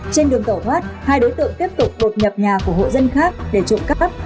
trên đường tẩu thoát hai đối tượng tiếp tục đột nhập nhà của hộ dân khác để trộm cắp